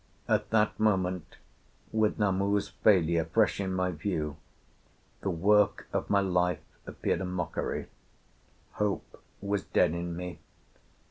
At that moment, with Namu's failure fresh in my view, the work of my life appeared a mockery; hope was dead in me.